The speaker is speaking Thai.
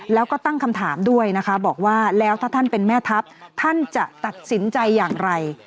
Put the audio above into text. แล้วก็ตั้งคำถามด้วยนะคะบอกว่าแล้วถ้าท่านเป็นแม่ทัพท่านจะตัดสินใจอย่างไร